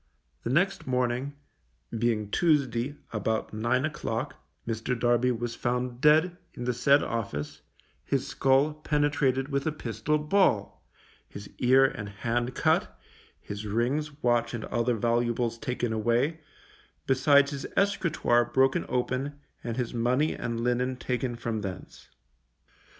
The next morning, being Tuesday, about nine o'clock, Mr. Darby was found dead in the said office, his skull penetrated with a pistol ball, his ear and hand cut, his rings, watch and other valuables taken away, besides his escritoire broken open, and his money and linen taken from thence.